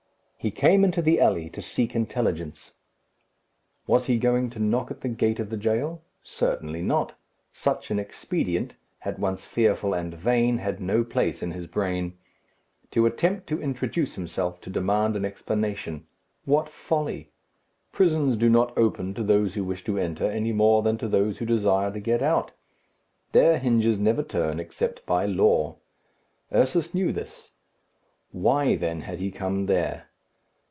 He came into the alley to seek intelligence. Was he going to knock at the gate of the jail? Certainly not. Such an expedient, at once fearful and vain, had no place in his brain. To attempt to introduce himself to demand an explanation. What folly! Prisons do not open to those who wish to enter, any more than to those who desire to get out. Their hinges never turn except by law. Ursus knew this. Why, then, had he come there?